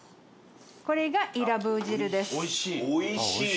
これがイラブー汁です。